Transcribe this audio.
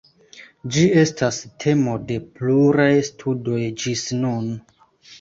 Ĝi estas temo de pluraj studoj ĝis nun.